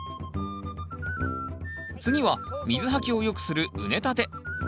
次は水はけをよくする畝立て。